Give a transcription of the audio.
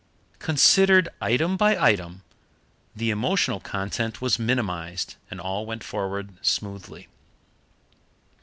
Considered item by item, the emotional content was minimized, and all went forward smoothly.